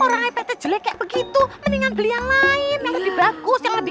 orang ipt jelek kayak begitu mendingan beli yang lain yang lebih bagus yang lebih